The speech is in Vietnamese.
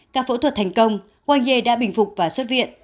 các phẫu thuật thành công wang ye đã bình phục và xuất viện